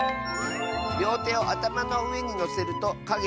「りょうてをあたまのうえにのせるとかげ